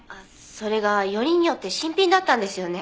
それがよりによって新品だったんですよね。